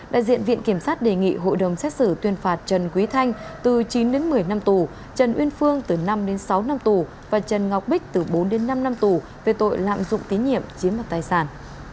đại diện viện kiểm sát đề nghị hội đồng xét xử tuyên phạt trần quý thanh từ chín đến một mươi năm tù trần uyên phương từ năm đến sáu năm tù và trần ngọc bích từ bốn đến năm năm tù về tội lạm dụng tín nhiệm chiếm mặt tài sản